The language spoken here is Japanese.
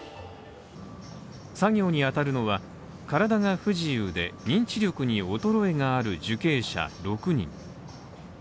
作業に当たるのは体が不自由で、認知力に衰えがある受刑者６人。